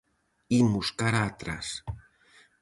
Imos cara atrás.